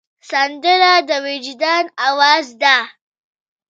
سندره د وجدان آواز ده